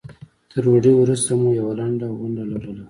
تر ډوډۍ وروسته مو یوه لنډه غونډه لرله.